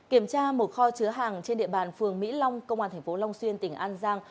kiểm tra một kho chứa hàng trên địa bàn phường mỹ long công an thành phố long xuyên tỉnh an giang